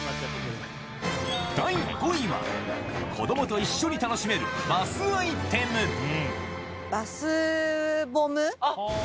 第５位は、子どもと一緒に楽しめバスボム。